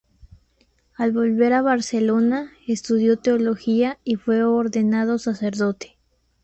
Al volver a Barcelona, estudió Teología y fue ordenado sacerdote.